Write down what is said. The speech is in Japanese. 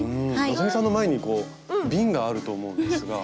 希さんの前にビンがあると思うんですが。